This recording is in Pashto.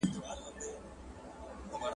موږ د خپل مطرب په وار یو ګوندي راسي ,